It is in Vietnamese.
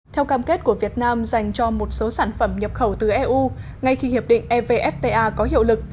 theo cam kết của việt nam dành cho một số sản phẩm nhập khẩu từ eu ngay khi hiệp định evfta có hiệu lực